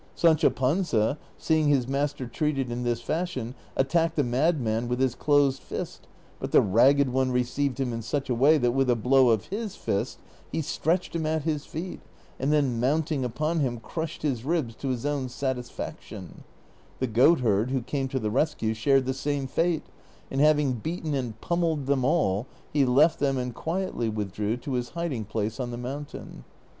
"^ 187 Sancho Panza, seeing liis master treated in this fasliion, attacked the madman with his closed fist ; but the Eagged One received him in such a way that with a blow of his fist he stretched him at his feet, and tlien mounting upon liim crushed his ribs to his own satisfaction ; the goatherd, who came to the rescue, shared the same fate ; and having beaten and pummelled them all he left them and quietly withdrew to his hiding place on the mountain.